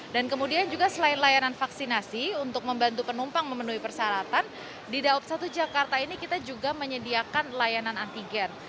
dan kemudian juga selain layanan vaksinasi untuk membantu penumpang memenuhi persyaratan di daob satu jakarta ini kita juga menyediakan layanan antigen